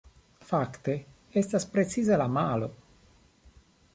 Fakte, estas precize la malo!